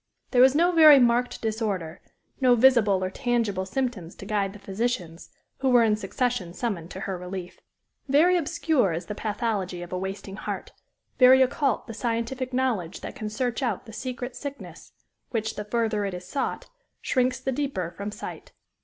There was no very marked disorder, no visible or tangible symptoms to guide the physicians, who were in succession summoned to her relief. Very obscure is the pathology of a wasting heart, very occult the scientific knowledge that can search out the secret sickness, which, the further it is sought, shrinks the deeper from sight.